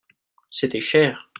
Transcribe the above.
C'était cher.